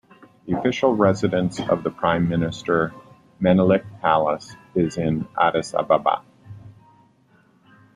The official residence of the prime minister, "Menelik Palace" is in Addis Ababa.